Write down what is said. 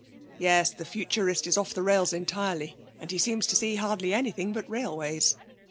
'Yes, the Futurist is off the rails entirely, and he seems to see hardly anything but railways.